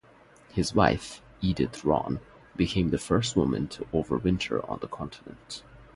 His wife, Edith Ronne, became the first woman to overwinter on the continent.